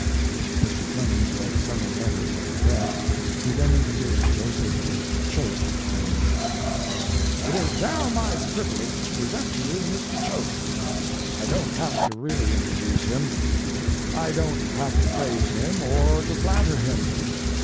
[Mr. Clemens read several letters of regret. He then introduced Joseph H. Choate, saying:] It is now my privilege to present to you Mr. Choate. I don't have to really introduce him. I don't have to praise him, or to flatter him.